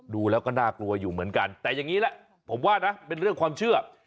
ดูแล้วก็น่ากลัวอยู่เหมือนกันแต่อย่างนี้แหละผมว่านะเป็นเรื่องความเชื่อ